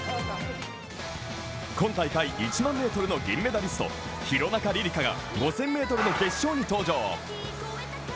今大会１００００ｍの銀メダリスト廣中璃梨佳が５０００ｍの決勝に登場。